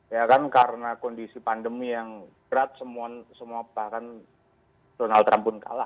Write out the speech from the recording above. ya kan karena kondisi pandemi yang berat semua bahkan donald trump pun kalah